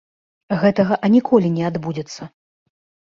Гэтага аніколі не адбудзецца!